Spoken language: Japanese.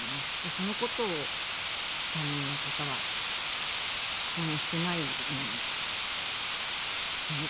そのことを担任の方は登園してないのにってね。